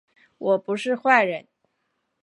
我不是坏人